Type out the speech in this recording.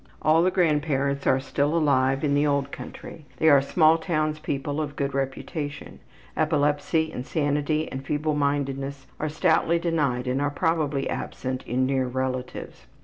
All the grandparents are still alive in the old country. They are small townspeople of good reputation. Epilepsy, insanity, and feeblemindedness are stoutly denied and are probably absent in near relatives.